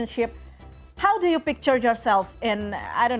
bagaimana kamu mempikirkan dirimu dalam lima tahun yang akan datang